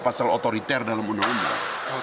pasal otoriter dalam undang undang